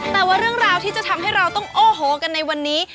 แต่ว่าเรื่องราวที่จะทำให้เราต้องโอ้โหกันในวันนี้